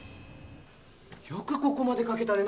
よくここまで描けたね